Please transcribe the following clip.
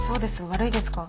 悪いですか？